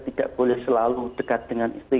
tidak boleh selalu dekat dengan istri